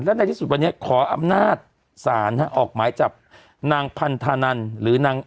และในที่สุดวันนี้ขออำนาจศาลออกหมายจับนางพันธานันหรือนาง